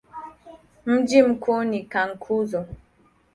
Mji mkuu ni Cankuzo.